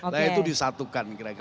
nah itu disatukan kira kira